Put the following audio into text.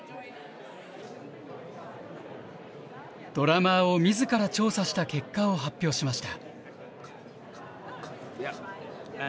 ドラマーをみずから調査した結果を発表しました。